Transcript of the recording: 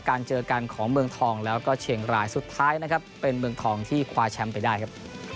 เจอกันของเมืองทองแล้วก็เชียงรายสุดท้ายนะครับเป็นเมืองทองที่คว้าแชมป์ไปได้ครับ